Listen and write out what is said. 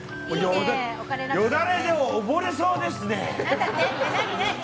よだれで溺れそうですね。